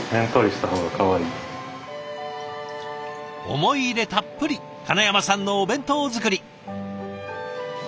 思い入れたっぷり金山さんのお弁当作り。